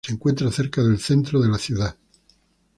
Se encuentra cerca del centro de la ciudad.